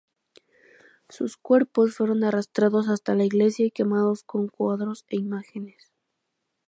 Sus cuerpos fueron arrastrados hasta la iglesia y quemados con cuadros e imágenes.